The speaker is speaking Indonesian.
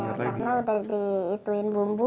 iya karena sudah dihitung bumbu